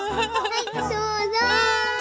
はいどうぞ。